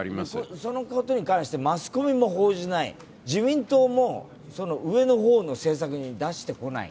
そのことに関してマスコミも報じない、自民党も上の方の政策に出してこない。